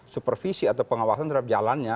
supervisi atau pengawasan terhadap jalannya